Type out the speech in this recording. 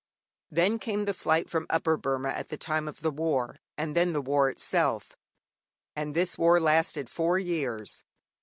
Then came the flight from Upper Burma at the time of the war, and then the war itself. And this war lasted four years.